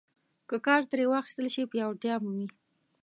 که کار ترې واخیستل شي پیاوړتیا مومي.